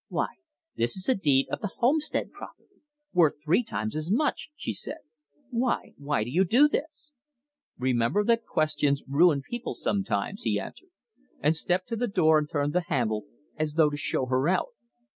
"Why, this is a deed of the homestead property worth three times as much!" she said. "Why why do you do this?" "Remember that questions ruin people sometimes," he answered, and stepped to the door and turned the handle, as though to show her out.